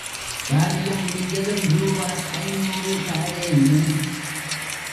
காரியம் முடிஞ்சதும் ரூவா ஐநூறு தாரேன்னு.